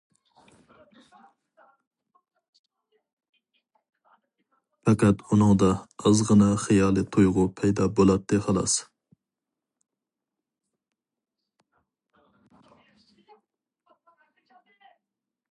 پەقەت ئۇنىڭدا ئازغىنا خىيالىي تۇيغۇ پەيدا بولاتتى خالاس.